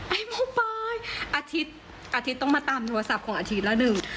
หมอปลายอาทิตย์อาทิตย์ต้องมาตามโทรศัพท์ของอาทิตย์ละหนึ่ง